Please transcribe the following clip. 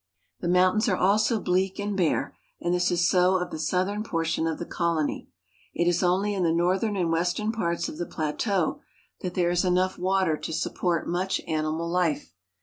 The mountains are also bleak and bare, and this is so of the southern portion of the colony. It is only in the northern and western parts of the plateau that there is enough water to support much animal life.